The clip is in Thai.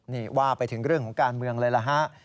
นี่ว่าไปถึงเรื่องของการเมืองเลยล่ะฮะ